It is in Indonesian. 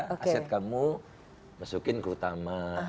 aset kamu masukin ke utama